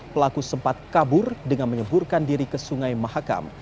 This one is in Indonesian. pelaku sempat kabur dengan menyeburkan diri ke sungai mahakam